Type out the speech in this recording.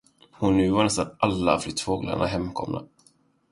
Och nu var nästan alla flyttfåglarna hemkomna.